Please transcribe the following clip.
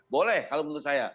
boleh kalau menurut saya